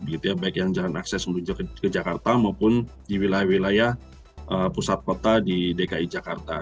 begitu ya baik yang jalan akses menuju ke jakarta maupun di wilayah wilayah pusat kota di dki jakarta